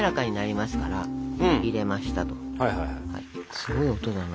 すごい音だな。